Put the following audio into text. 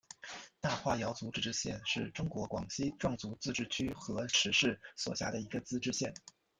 大化瑶族自治县是中国广西壮族自治区河池市所辖的一个自治县。